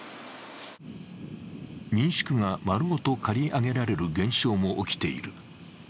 民宿が丸ごと借り上げられる現象も起きている。